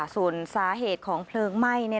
ส่วนสาเหตุของเพลิงไหม้